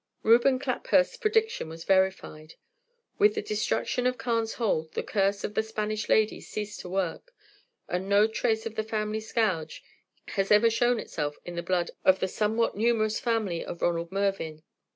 Reuben Claphurst's prediction was verified. With the destruction of Carne's Hold the curse of the Spanish lady ceased to work, and no trace of the family scourge has ever shown itself in the blood of the somewhat numerous family of Ronald Mervyn.